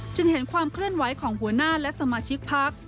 จึงเห็นความเคลื่อนไหวของหัวหน้าและสมาชิกพัก